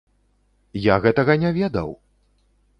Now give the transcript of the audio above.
Я гэтага не ведаў!